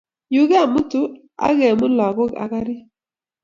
Yu kemutu ak kemut lagok ak garit